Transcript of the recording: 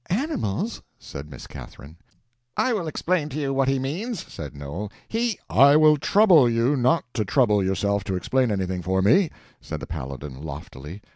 "Animals!" said Miss Catherine. "I will explain to you what he means," said Noel. "He—" "I will trouble you not to trouble yourself to explain anything for me," said the Paladin, loftily.